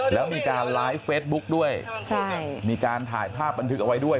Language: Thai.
แล้วมีการไลฟ์เฟซบุ๊กด้วยใช่มีการถ่ายภาพบันทึกเอาไว้ด้วย